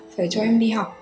phải cho em đi học